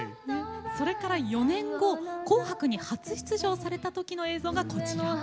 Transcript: それから４年後「紅白」に初出場された時の映像がこちら。